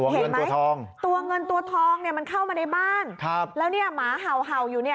เห็นไหมตัวเงินตัวทองมันเข้ามาในบ้านแล้วเนี่ยหมาเห่าอยู่เนี่ย